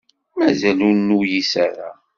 Mazal ur nuyis ara.